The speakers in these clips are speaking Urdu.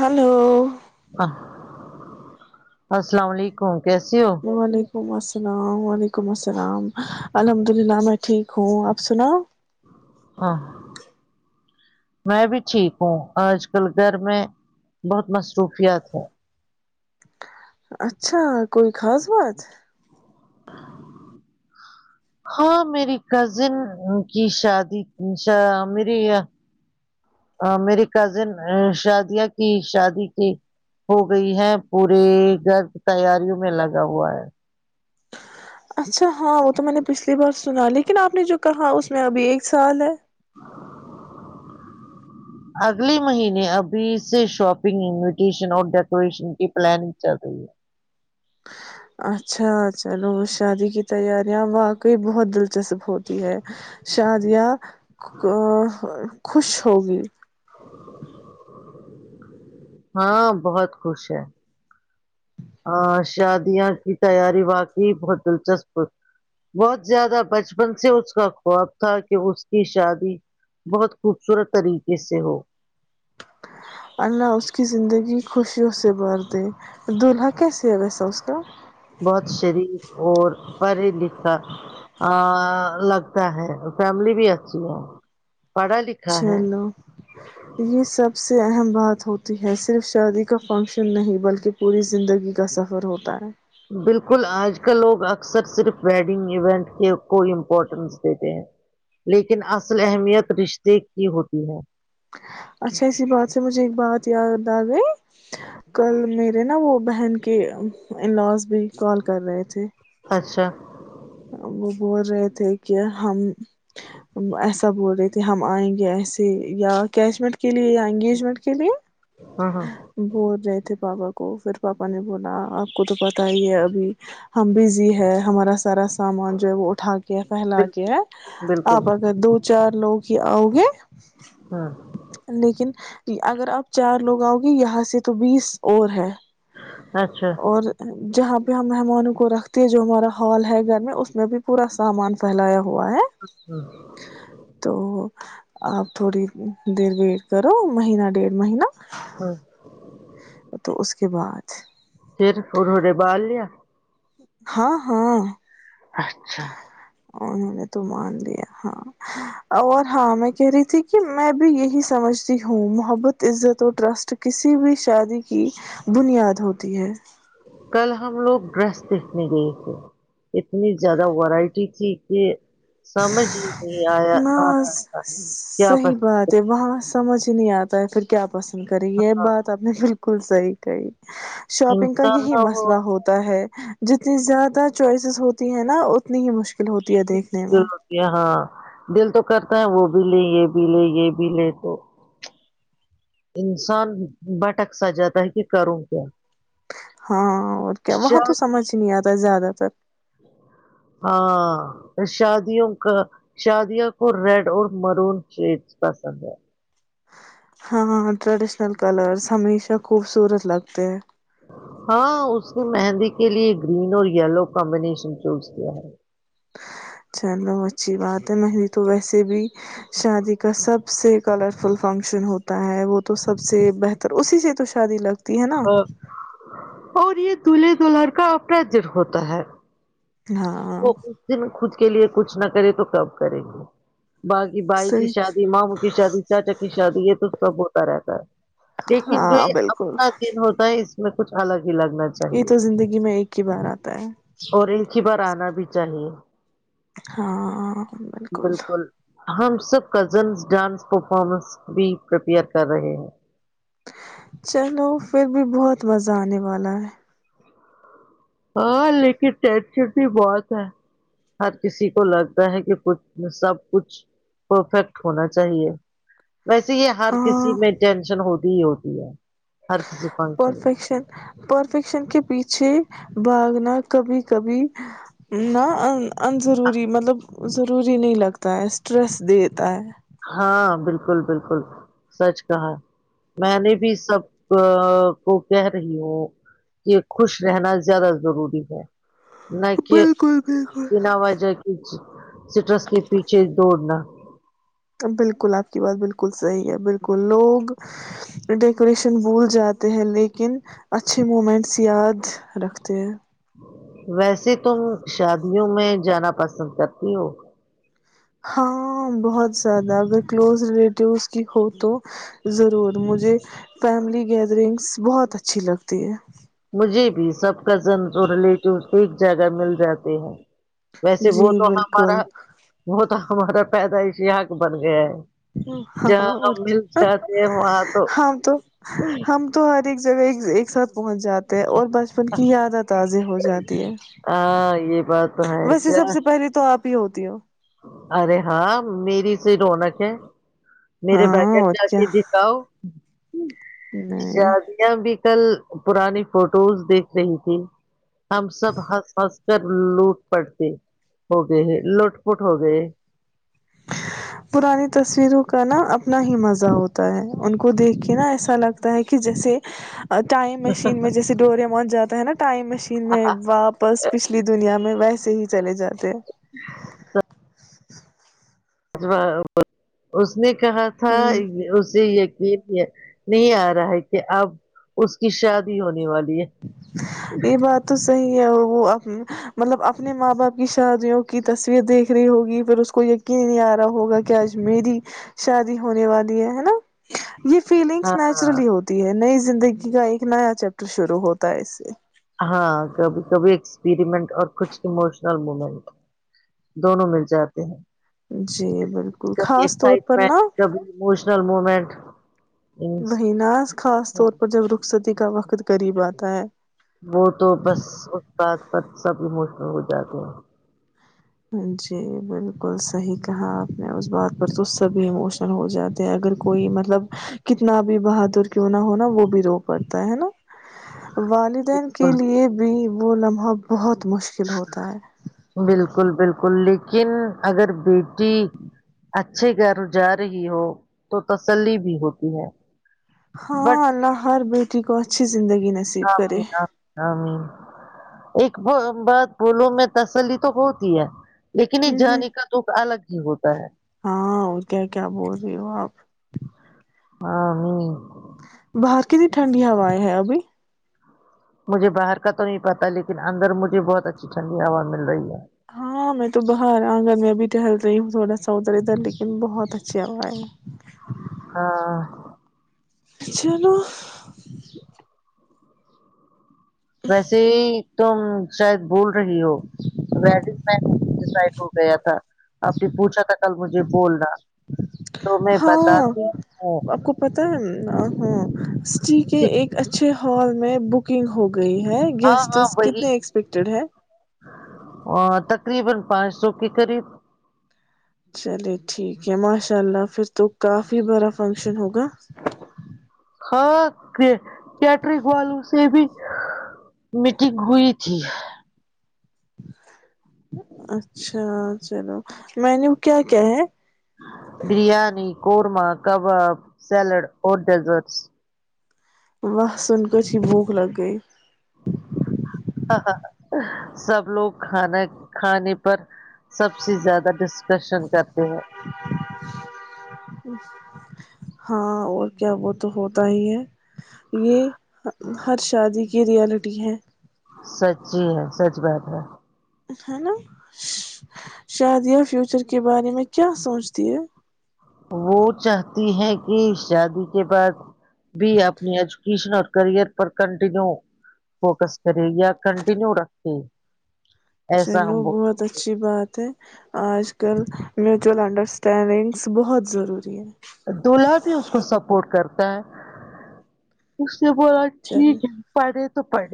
ہلو السلام علیکم کیسی ہو م السلام وعلیکم السلام الحمد اللہ میں ٹھیک ہوں آپ سنا ہاں میں بھی ٹھیک ہوں آج کل گھر میں بہت مصروفیات ہے اچھا کوئی خاص بات ہاں میری کزن کی شادی میرے میرے کزن شادیا کی شادی کی ہو گئی ہے پورے گرد تیاریوں میں لگا ہوا ہے اچھا ہاں وہ تو میں نے پچھلی بار سنا لیکن آپ نے جو کہا اس میں ابھی ایک سال ہے اگلے مہینے ابھی سے شاپنگ انویٹیشن اور ڈیکوریشن کی پلاننگ چل رہی ہے اچھا چلو شادی کی تیاریاں واقعی بہت دلچسپ ہوتی ہے شادیاں ا خوش ہوگی ہاں بہت خوش ہے ہ شادیاں کی تیاری واقعی بہت دلچسپ بہت زیادہ بچپن سے اس کا خواب تھا کہ اس کی شادی بہت خوبصورت طریقے سے ہو اللہ اس کی زندگی خوشیوں سے بر دے دولہا کیسے ہے ویسا اس کا بہت شریک اور پڑھھی لکھ کر ا لگ اچا ہے اور فیملی بھی اچھی ہے پڑھا لکھا ہے چلو یہ سب سے اہم بات ہوتی ہے صرف شادی کا فنکشن نہیں بلکہ پوری زندگی کا سفر ہوتا ہے بالکل آج کل لوگ اکثر صرف ویڈنگ ایونٹ کو امپورٹنس دیتے ہیں لیکن اصل اہمیت رشتے کی ہوتی ہے اچھا اسی بات سے مجھے ایک بات یاد آ گئی کل میرے نا وہ بہن کے انلااز بھی کال کر رہے تھے اچھا وہ بول رہے تھے کہ ہم ایسا ب ہو رہے کہ ہم آئیں گے ایسے یا کیش میٹ کے لیے یا انگیجمنٹ کے لیے ہاں ہاں بول رہے تھے پاپا کو پھر پاپا نے بولا آپ کو تو پت ہی ہے ابھی ہممبیزی ہے ہمارا سراس سامان جو ہے وہ اٹھا کے پھیلا کے بالکل ہیں بالکل آپ اگر دو چار لوگ ہی آؤ گے ہاں لیکن جی اگر آپ چار لوگ آؤ گے یہاں سے تو بیس اور ہے اچھا اور جہاں ہم مہمانوں کو رکھتے ہیں جو ہمارا ہال ہے گھر میں اس میں بھی پورا سامان پھیلایا ہوا ہے تو آپ تھوڑی دیر ویٹ کرو مہینہ ڈیڑھ مہینہ ہاں تو اس کے بعد پھر ہور ہورے بال لیا ہاں ہاں اچھا انہوں نے تو مان لیا ہاں اور ہاں میں کہہ رہی تھی کہ میں بھی یہی سمجھتی ہوں محبت عزت اور ٹرسٹ کسی بھی شادی کی بنیاد ہوتی ہے کل ہم لوگ ڈرس دیکھنے گئے تھے اتنی زیادہ ورائٹی تھی کہ سمجھ ہی نہیں آیا نہ آ رہا تھا کیا صحی بس بات ہے وہاں سمجھ نہیں آتا ہے پھر کیا پسند کری ہے بات آپ نے بالکل بالکل صحی کئی شاپنگ کا انسان یہی نہ وہ مسئلہ ہوتا ہے جتنی زیادہ چوائسیز ہوتی ہے نا اتنی ہی مشکل ہوتی ہے دیکھ مکل ہوتی ہے ہاں دل تو کرتا ہیں وہ بھی لے یہ بھی لے یہ بھی لے تو انسان بھٹک سا جاتا ہے کہ کروں کیا ہاں اور کیا وہاں تو شاید سمجھ ہی نہیں آتا زیادہ س ہاں شادیوں کا شادوں کو ریڈ اور مرون شیڈ پسند ہے ہاں ٹریڈیشنل کلرس ہمیشہ خوبصورت لگتے ہیں ہاں اس نے مہندی کے لیے گرین اور یلو کمبینیشن چوز کیا ہے چلو اچھی بات ہے مری تو ویسے بھی شادی کا سب سے کلرفل فنکشن ہوتا ہے وہ تو سب سے بہتر اسی سے تو شادی لگ ہاں اور یہ دلہے دلہر کا اپراجر ہوتا ہے ہاں وہ اس دن خود کے لیے کچھ نہ کرے تو کب کریں گے باقی بھائی کی صحیح شادی ماموں کی شادی چاچا کی شادی یہ تو سب بر سر لیکن جو ہاں اب بالکل کا دن ہوتا ہے اس اس میں کچھ الگ ہی لگنا یہ چاہیے تو زندگی میں ایک ہی بار آتا ہے پ بیچا نہیں ہے ہاں بالکل ہم سب کزنس ڈانس پرفارمنس بھی پریپیئر کر رہے ہیں چلو پھر بھی بہت مزہ آنے والا ہے ہاں لیکن ٹچر بھی بہت ہے ہر کسی کو لگتا ہے کہ کچھ سب کچھ پرفیکٹ ہونا چاہیے ویسے یہ ہر کسی ہاں میں ٹینشن ہوتی ہوتی ہے ہر کسی فنکشن میں پرفیکشن پرفیکشن کے پیچھے بھاگنا کبھی کبھی نہا انضروری مطلب ضروری نہیں لگتا ہے اسٹریس دیتا ہے ہاں بالکل بالکل سچ کہا میں نے بھی سب کو کہہ رہی ہوں کہ خوش رہنا زیادہ ضروری ہے ن کہ بالکل بالکل بنا وج کی سٹرس کے پیچھے دوڑنا بالکل آپ کی بات بالکل بالکل صحیح ہے بالکل لوگ ڈیکوریشن بھول جاتے ہیں لیکن اچھے مومنٹس یاد رکھتے ہیں ویسے تم شادیوں میں جانا پسند کرتی ہو ہاں بہت زیادہ اگر کلوز ریلیٹیوس کی ہو تو ضرور مجھے فیملی گیدرنگس بہت اچھی لگتی ہے مجھے بھی سب کزنس اور ریلیٹیوس ایک جگہ مل جاتے ہیں ویسے جی وہ تو ہمارا بالکل وہ تھا ہمارا پیدا اس یہحاق بن گیا ہے ہاں جہاں ہاں اور ہم مل کیا جاتے ہیں وہاں ہم تو ہم تو ہر ایک جگہ ایکز اثر پہنچ جاتے ہیں اور بچپن کی یاد ہے تازے ہو جد ہاں یہ بات تو ہے کیا تیو ارے ہاں میری سے رونق ہے میرے بیٹے ہاں اور جا کیا کے دکھاؤ نہیں شادیا بھی کل پرانی فوٹوز دیکھ رہی تھی ہم سب ہنس ہنس کر لوٹ پڑتے ہو گئے ہیں لوٹ فٹ ہو گئے پرانی تصویروں کا نا اپنا ہی مزہ ہوتا ہے ان کو دیکھ کے نا ایسا لگتا ہے کہ جیسے ٹائم مشین میں جیسے ڈورے مان جاتا ہے نا ٹائم مشین میں واپس پچھلی دنیا میں ویسے سے ہی چلے جاتے ہیں ہاں ج اس نے کہا تھا ہ اسے یہ بھی نہیں آ رہا ہے کہ اب اس کی شادی ہونے والی ہے یہ بات تو صحیح ہے وہ مطلب اپنے ماں باپ کی شادیوں کی تصویر دیکھ رہی ہوگی پھر اس کو یقین نہیں آ رہا ہوگا کہ آج میری شادی ہونے والی ہے ہے نا یہ فیلنگس ہاں نیچرلی ہوتی ہے نئی زندگی کا ایک نیا چیپٹر شروع ہوتا ہے اس سے ہاں کبھی کبھی ایکسپریمنٹ اور کچھ اموشنل مومنٹ دونوں مل جاتے ہیں جی بالکل کبھی خاص طور پر ایکسائٹمنٹ نا کبھی اموشنل مومنٹ وہی نا خاص طور پر جب رخصت کا وقت قریب آتا ہے وہ تو بس اس بد سب بھی موسم ہو جاتے ہیں جی بالکل صحیح کہا آپ نے اس بات پر تو سبھی اموشنل ہو جاتے ہیں اگر کوئی مطلب کتنا بھی بہادر کیوں نہ ہونا وہ بھی رو پڑتا ہے نا والدین کے بالکل لیے بھی وہ لمحہ بہت مشکل ہوتا ہے بالکل لیکن اگر بیٹی اچھے گھر جا رہی ہو تو تسلی بھی ہوتی ہے ہاں بٹ اللہر بی یکچ زندگی نصیب کرے آمین آمین آمین۔ ایک بات بولو میں تسلی تو ہوتی ہے لیکن ہ ایک ہ جانے کا دکھ الگ ہی ہوتا ہے ہاں وہ کیا کیا بول رہی ہو آپ ہاں ہ باہر کتنی ٹھنڈی ہوایں ہے ابھی مجھے باہر کا تو نہیں پتا لیکن اندر مجھے بہت اچھی ٹھنڈی ہوا مل رہی ہے ہاں میں تو باہر آ گگر میں ابھی ٹہل رہی ہوں تھوڑا ساودر ادھر لیکن بہت اچھی آواز ہے ہاں ج ن ویسے تم شاید بول رہی ہو ویڈنگ پ ڈڈ ہو گیا تھا آپ نے پوچھا تھا کل مجھے بولنا تو میں ہاں بتاتی ہوں آپ کو پتا ہے ا ہوں جی کہ ایک اچھے ہال میں بکنگ ہوگی گئی ہے ہاں ہاں گیسٹس وہی کتنے ایکسپیکٹیڈ ہیں [unintelligible] چلے ٹھیک ہے ماشاء اللہ پھر تو کافی بارا فنکشن ہوگا ہاں کیٹرک والوں سے بھی میٹنگ ہوئی تھی اچھا چلو میں نے کیا کیا ہے برییاانی قورمہ کباب سیلڈ اور ڈیزرٹس وسن کتی بھک لگے ہ سب لوگ کھانا کھانے پر سب سے زیادہ ڈسکشن کرتے ہیں ہاں اور کیا وہ تو ہوتا ہی ہے یہ ہر شادی کی یہ ریالٹی ہے سچی ہے سچ بات ہے ہیلو شادیا فیوچر کے بارے میں کیا سوچتی ہے وہ چاہتی ہے کہ شادی کے پاس بھی ہے اپنی ایجوکیشن اور کرئر پر کنٹینیو فوکس کرے یا کنٹینیو رکھے ایسا چلو ہم وہ بہت اچھی بات ہے آج کل میوچئول انڈرسٹینڈنگس بہت ضروری ہے دلہا بھی اس کو سپورٹ کرتا اس سے بولا چل ٹھیک ہے پڑے ت پڑ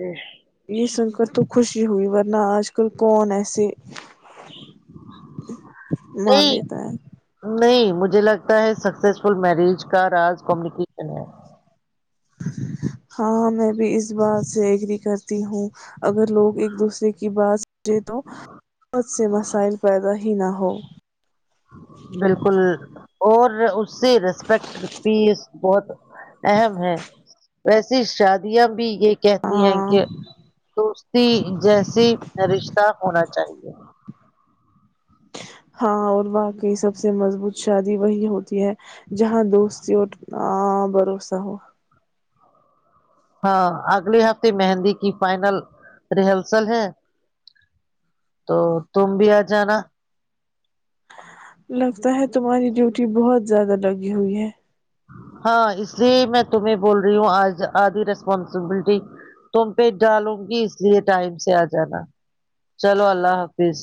یہ سن کر تو خوشی ہوئی ورنہ آج کل کون ایسے مان نہیں لیتا ہے نہیں مجھے لگتا ہے سکسیسفل میرج کا ر کمیونیکیشن ہے ج ہاںاں میں بھی اس اس بات سے ایگری کرتی ہوں اگر لوگ ایک دوسرے کی بات کرچیں تو بہت سے مسائل پیدا ج نہ ہو بالکل اور اس سے ریسپیکٹ پیس بہت اہم ہے ویسی شادیاں بھی یہ کہتی ہیں ہاں کہ دوستی جیسی رشتہ ہونا چاہے ہاں اور واقعی سب سے مضبوط شادی وہی ہوتی ہے جہاں دوستی اور بھروسہ ہو ہاں اگلے ہفتے مہندی کی فائنل ریہرسل ہے تو تم بھی آ جانا لگتا ہے تمہاری ڈیوٹی بہت زیادہ لگی ہوئی ہے ہاں اس لیے میں تمہیں بول رہی ہوں آج آدھی ریسپانسبلٹی تم پہ ڈالوں گی اس لیے ٹائم سے آ جانا چلو اللہ حافظ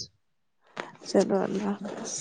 چلو اللہ حافظ